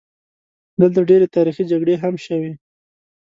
دلته ډېرې تاریخي جګړې هم شوي.